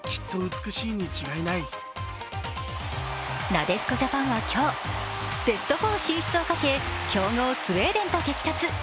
なでしこジャパンは今日ベスト４進出をかけ、強豪スウェーデンと激突。